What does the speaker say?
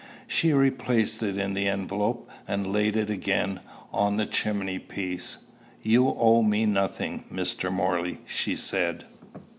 She replaced it in the envelope, and laid it again on the chimney piece. "You owe me nothing, Mr. Morley," she said.